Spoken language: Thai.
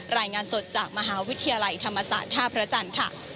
รายงานสดจากมหาวิทยาลัยธรรมศาสตร์ท่าพระจันทร์ค่ะ